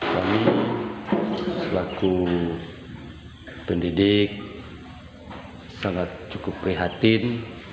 kami selaku pendidik sangat cukup prihatin